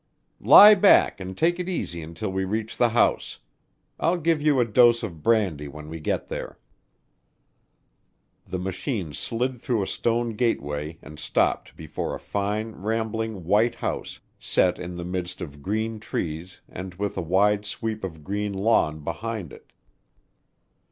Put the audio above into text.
"Lie back and take it easy until we reach the house. I'll give you a dose of brandy when we get there." The machine slid through a stone gateway and stopped before a fine, rambling white house set in the midst of green trees and with a wide sweep of green lawn behind it.